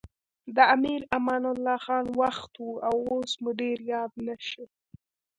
د امیر امان الله خان وخت و اوس مو ډېر یاد نه شي.